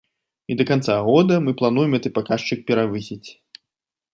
І да канца года мы плануем гэты паказчык перавысіць.